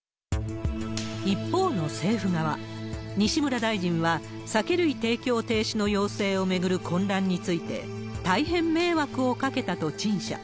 一方の政府側、西村大臣は、酒類提供停止の要請を巡る混乱について、大変迷惑をかけたと陳謝。